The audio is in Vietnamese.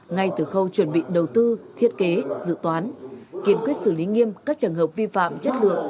ngay từ khâu chuẩn bị đầu tư thiết kế dự toán kiên quyết xử lý nghiêm các trường hợp vi phạm chất lượng